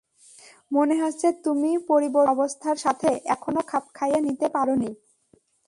মনে হচ্ছে তুমি পরিবর্তিত অবস্থার সাথে এখনও খাপ খাইয়ে নিতে পারোনি!